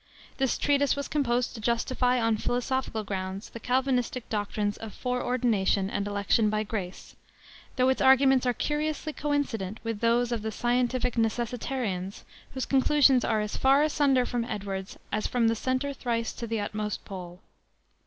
This treatise was composed to justify, on philosophical grounds, the Calvinistic doctrines of foreordination and election by grace, though its arguments are curiously coincident with those of the scientific necessitarians, whose conclusions are as far asunder from Edwards's "as from the center thrice to the utmost pole."